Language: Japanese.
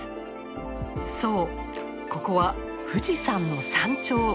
そうここは富士山の山頂。